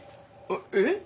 えっ？